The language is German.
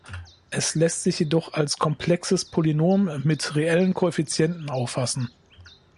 Es lässt sich jedoch als komplexes Polynom mit reellen Koeffizienten auffassen.